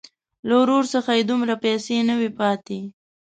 له ورور څخه یې دومره پیسې نه وې پاتې.